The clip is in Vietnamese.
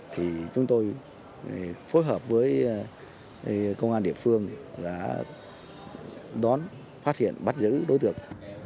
thì chúng tôi phối hợp với công an địa phương đã đón phát hiện bắt giữ đối tượng